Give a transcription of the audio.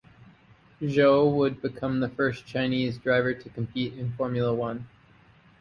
Zhou would become the first Chinese driver to compete in Formula One.